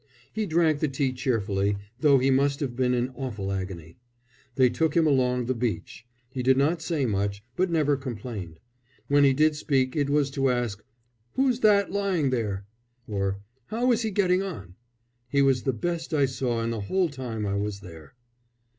He drank the tea cheerfully, though he must have been in awful agony. They took him along the beach. He did not say much, but never complained. When he did speak it was to ask, "Who's that lying there?" or "How is he getting on?" He was the best I saw the whole time I was there.